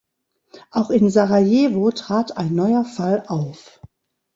Auch in Sarajevo trat ein neuer Fall auf.